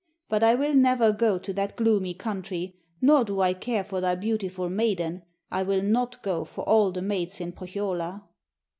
But I will never go to that gloomy country, nor do I care for thy beautiful maiden; I will not go for all the maids in Pohjola.'